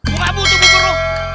gua gak butuh bukur lu